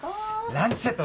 ランチセット